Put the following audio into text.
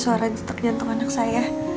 sekarang bentuk jantung anak saya